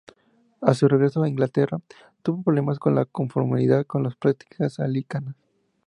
A su regreso a Inglaterra, tuvo problemas con la conformidad con las prácticas anglicanas.